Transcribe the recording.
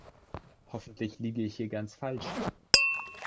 Hoffentlich liege ich hier ganz falsch.